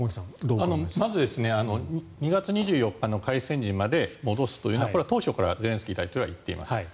まず２月２４日の開戦時にまで戻すというのはこれは当初からゼレンスキー大統領は言っています。